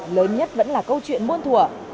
lớn nhất vẫn là câu chuyện muôn thủa